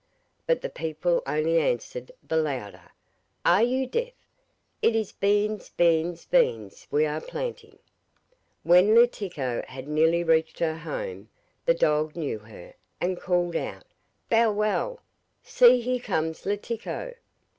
But the people only answered the louder: 'Are you deaf? It is beans, beans, beans we are planting.' When Letiko had nearly reached her home the dog knew her, and called out, 'Bow wow! see here comes Letiko!